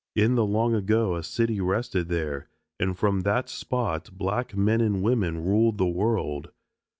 In the long ago a city rested there, and from that spot black men and women ruled the world.